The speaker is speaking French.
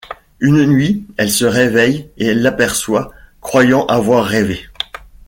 Une nuit, elle se réveille et l'aperçoit, croyant avoir rêvé.